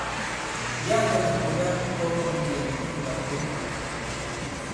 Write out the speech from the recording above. Ɓe yâklɛ mɛ̀ konda imbɔk ndom yɛ̀n inyū ɓàkěn ɓwǎ.